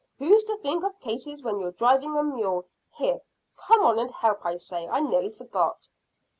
"Who's to think of cases when you're driving a mule? Here, come on and help. And I say, I nearly forgot."